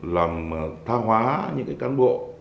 làm tha hóa những cán bộ